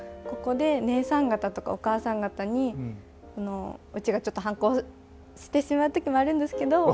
ここでねえさん方とかおかあさん方にうちがちょっと反抗してしまう時もあるんどすけど。